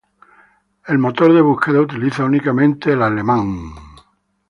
El motor de búsqueda utiliza únicamente idioma alemán.